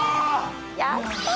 やった！